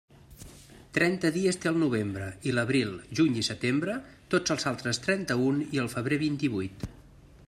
Trenta dies té el novembre, i l'abril, juny i setembre; tots els altres trenta-un i el febrer vint-i-vuit.